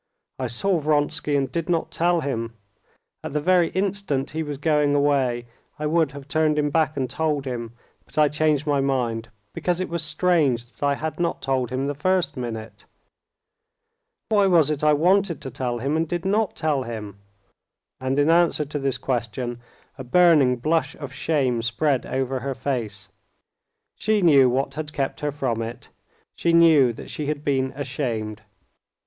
"I saw Vronsky and did not tell him. At the very instant he was going away I would have turned him back and told him, but I changed my mind, because it was strange that I had not told him the first minute. Why was it I wanted to tell him and did not tell him?" And in answer to this question a burning blush of shame spread over her face. She knew what had kept her from it, she knew that she had been ashamed.